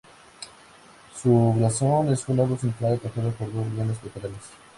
Su blasón es un árbol central atacado por dos leones laterales.